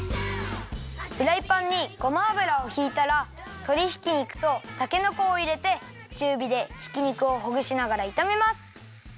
フライパンにごま油をひいたらとりひき肉とたけのこをいれてちゅうびでひき肉をほぐしながらいためます。